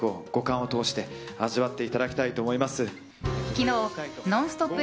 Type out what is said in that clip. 昨日「ノンストップ！」